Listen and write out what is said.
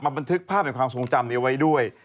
บันทึกภาพแห่งความทรงจำนี้ไว้ด้วย